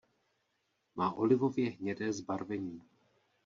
Má olivově hnědé zbarvení.